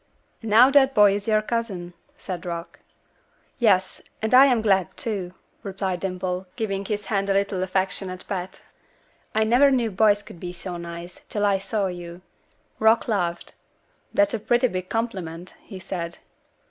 "And now that boy is your cousin," said Rock. "Yes; and I am glad, too," replied Dimple, giving his hand a little affectionate pat. "I never knew boys could be so nice, till I saw you." Rock laughed. "That's a pretty big compliment," he said.